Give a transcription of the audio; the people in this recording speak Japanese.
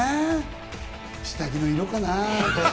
下着の色かな？